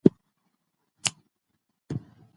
اسلام د ښځو لپاره ځانګړی مقام ورکړی دی.